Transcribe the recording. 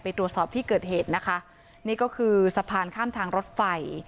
ตรวจสอบที่เกิดเหตุนะคะนี่ก็คือสะพานข้ามทางรถไฟ